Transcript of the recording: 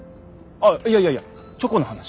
ああいやいやいやチョコの話。